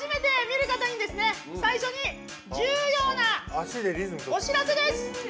最初に重要なお知らせです。